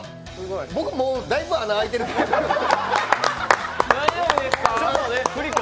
僕もう、だいぶ穴開いてるんで。